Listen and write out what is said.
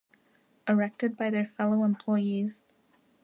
Erected by their fellow employees.